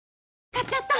買っちゃった！